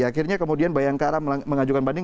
akhirnya kemudian bayangkara mengajukan banding